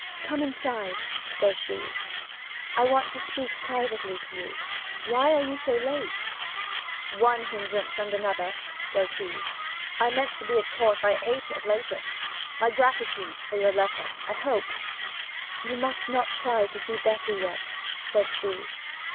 'Come inside,' says she. 'I want to speak privately to you. Why are you so late?' 'One hindrance and another,' says he. 'I meant to be at the Court by eight at latest. My gratitude for your letter. I hope ' 'You must not try to see Betty yet,' said she.